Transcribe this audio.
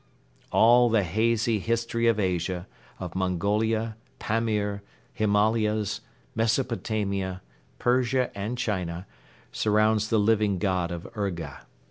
All the hazy history of Asia, of Mongolia, Pamir, Himalayas, Mesopotamia, Persia and China, surrounds the Living God of Urga.